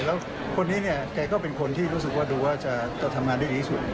แล้วคนนี้เนี่ยแกก็เป็นคนที่รู้สึกว่าดูว่าจะทำงานได้ดีที่สุด